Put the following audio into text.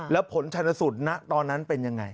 แล้วผลชนสูตรณตอนนั้นเป็นยังไง